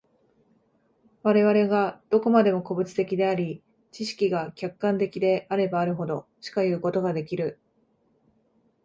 我々がどこまでも個物的であり、知識が客観的であればあるほど、しかいうことができる。